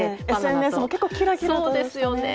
ＳＮＳでも結構キラキラとしてね。